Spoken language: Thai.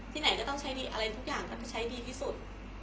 ไหนก็ต้องใช้ดีอะไรทุกอย่างแล้วก็ใช้ดีที่สุด